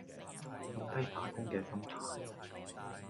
放低打工嘅心態